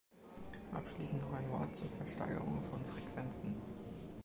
Abschließend noch ein Wort zur Versteigerung von Frequenzen.